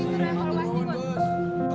ini sudah yang perlu diperluin bos